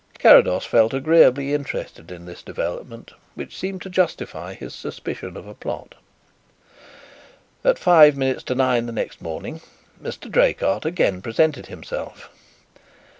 Carrados felt agreeably interested in this development, which seemed to justify his suspicion of a plot. At five minutes to nine the next morning Mr. Draycott again presented himself.